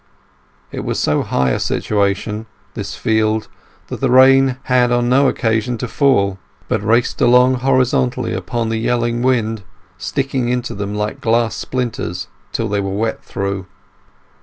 It was so high a situation, this field, that the rain had no occasion to fall, but raced along horizontally upon the yelling wind, sticking into them like glass splinters till they were wet through.